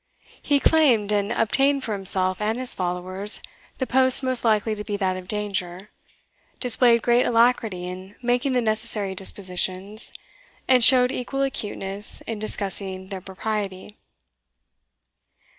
He claimed, and obtained for himself and his followers, the post most likely to be that of danger, displayed great alacrity in making the necessary dispositions, and showed equal acuteness in discussing their propriety.